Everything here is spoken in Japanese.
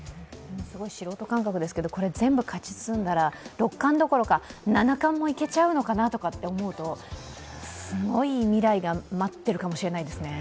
素人感覚ですけど、これ、全部勝ち進んだら六冠どころか、七冠もいけちゃうのかなと思うとすごい未来が待っているかもしれないですね。